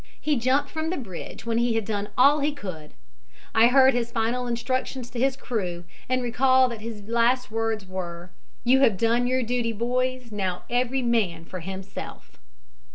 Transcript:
He jumped from the bridge when he had done all he could. I heard his final instructions to his crew, and recall that his last words were: 'You have done your duty, boys. Now every man for himself.'